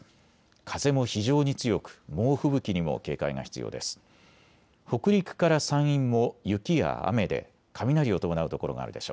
風も非常に強く猛吹雪にも警戒が必要です。